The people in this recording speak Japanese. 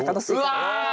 うわ！